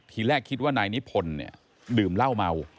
ทีแรกคิดว่านายนิพนธ์เนี่ยดื่มเหล้าเมา